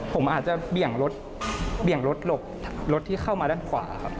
ผมอาจจะเบี่ยงรถหลบรถที่เข้ามาด้านขวา